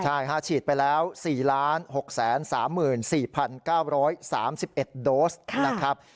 ใช่ฉีดไปแล้ว๔๖๓๔๙๓๑โดสนะครับ